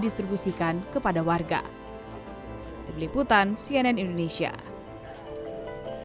di sini kalo isinya necesita provide hot oderimental kalian buat apa